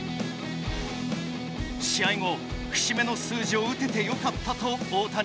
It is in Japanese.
試合後節目の数字を打ててよかったと大谷。